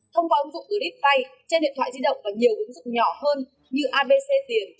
thông qua ứng dụng từ đít tay trên điện thoại di động và nhiều ứng dụng nhỏ hơn như abc tiền